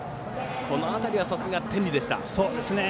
この辺りはさすが天理でした。